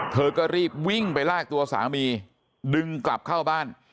เธอก็รีบวิ่งไปลากตัวสามีดึงกลับเข้าบ้าน